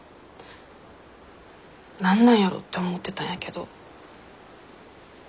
何なんやろって思ってたんやけど。